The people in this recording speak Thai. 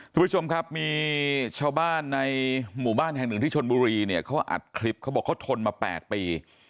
ทุกผู้ชมครับมีชาวบ้านในหมู่บ้านแห่งหนึ่งที่ชนบุรีเนี่ยเขาอัดคลิปเขาบอกเขาทนมา๘ปี